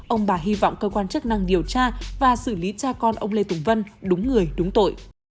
ông bà hy vọng cơ quan chức năng điều tra và xử lý cha con ông lê tùng vân đúng người đúng tội